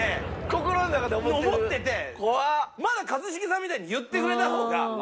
まだ一茂さんみたいに言ってくれた方が。